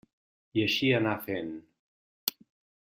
I així anar fent.